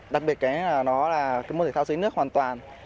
đặc biệt là nó là cái môn thể thao dưới nước hoàn toàn